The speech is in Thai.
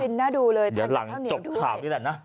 อื้อลิ้นหน้าดูเลยเดี๋ยวหลังจบข่าวด้วยแหละนะ